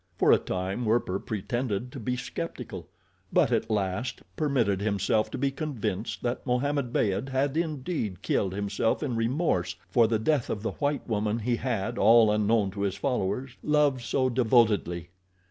For a time Werper pretended to be skeptical; but at last permitted himself to be convinced that Mohammed Beyd had indeed killed himself in remorse for the death of the white woman he had, all unknown to his followers, loved so devotedly.